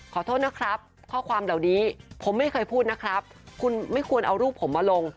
ขอโทษนะครับข้อความเหล่านี้ผมไม่เคยพูดนะครับคุณไม่ควรเอารูปผมมาลง